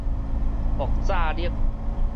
爆炸力